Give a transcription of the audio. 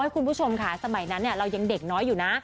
คุณผู้ชมค่ะสมัยนั้นเรายังเด็กน้อยอยู่นะ